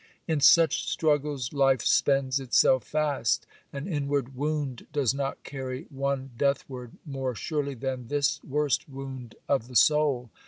In such struggles life spends itself fast; an inward wound does not carry one deathward more surely than this worst wound of the soul.